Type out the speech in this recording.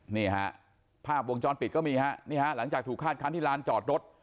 นี่ฮะภาพวงจรปิดก็มีฮะนี่ฮะหลังจากถูกคาดคันที่ลานจอดรถ